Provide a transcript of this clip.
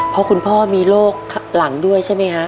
เพราะคุณพ่อมีโรคหลังด้วยใช่ไหมฮะ